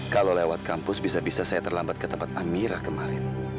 kalau lewat kampus bisa bisa saya terlambat ke tempat amirah kemarin